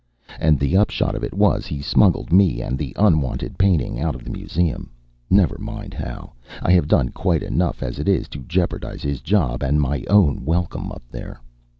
And the upshot of it was, he smuggled me and the unwanted painting out of the Museum. Never mind how. I have done quite enough as it is to jeopardize his job and my own welcome up there.